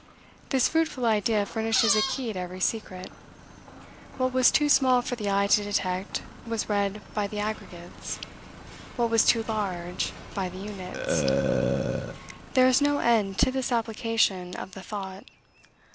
This fruitful idea furnishes a key to every secret. What was too small for the eye to detect was read by the aggregates; what was too large, by the units. There is no end to his application of the thought.